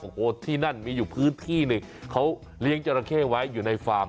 โอ้โหที่นั่นมีอยู่พื้นที่หนึ่งเขาเลี้ยงจราเข้ไว้อยู่ในฟาร์ม